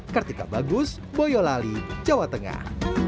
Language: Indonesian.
kartika bagus boyolali jawa tengah